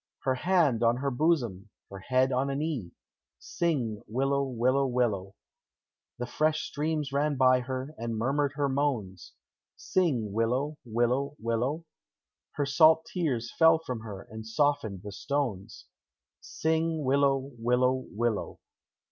Her hand on her bosom, her head on her knee, Sing willow, willow, willow; The fresh streams ran by her, and murmured her moans, Sing willow, willow, willow; Her salt tears fell from her, and softened the stones; Sing willow, willow, willow.